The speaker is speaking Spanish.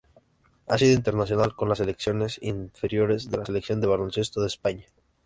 Ha sido internacional con las secciones inferiores de la Selección de baloncesto de España.